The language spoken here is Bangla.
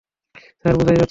স্যার, বোঝাই যাচ্ছে।